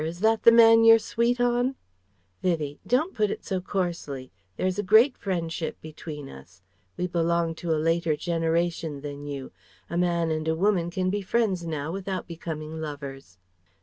Is that the man you're sweet on?" Vivie: "Don't put it so coarsely. There is a great friendship between us. We belong to a later generation than you. A man and a woman can be friends now without becoming lovers."